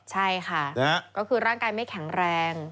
ใช่ค่ะก็คือร่างกายไม่แข็งแรง